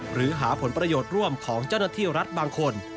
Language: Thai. หรือหาผลประโยชน์ร่วมของเจ้าหน้าที่รัฐบางคน